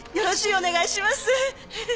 お願いします。